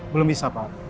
belum bisa pak